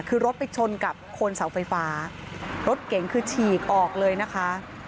คือรถไปชนกับโคนเสาไฟฟ้ารถเก๋งคือฉีกออกเลยนะคะ